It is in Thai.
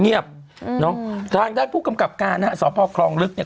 เนี่ยเพื่องทางด้านผู้กำกับการโตรคลองลึกเนี่ย